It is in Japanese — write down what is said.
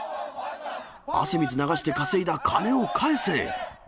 汗水流して稼いだ金を返せ！